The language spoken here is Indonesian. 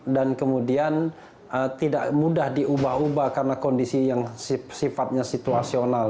dan kemudian tidak mudah diubah ubah karena kondisi yang sifatnya situasional